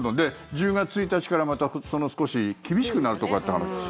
１０月１日からまた少し厳しくなるとかって話。